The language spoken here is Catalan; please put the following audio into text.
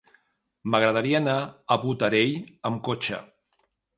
M'agradaria anar a Botarell amb cotxe.